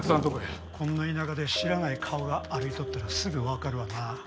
こんな田舎で知らない顔が歩いとったらすぐわかるわな。